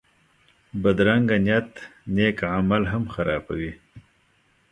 بدرنګه نیت نېک عمل هم خرابوي